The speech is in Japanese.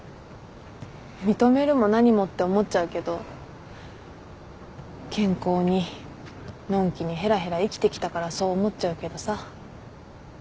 認めるも何もって思っちゃうけど健康にのんきにヘラヘラ生きてきたからそう思っちゃうけどさ。